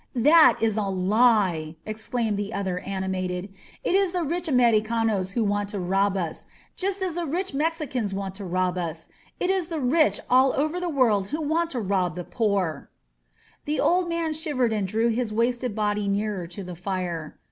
•••" "That is a lie," exclaimed the other, animated. "It is the rich Americanos who want to rob us, just as the 170 SYMBOLS OF MEXICO rich Mexicans want to rob us. It is the rich all over the world who want to rob the poor/' The old man shivered and drew his wasted body nearer to the fire.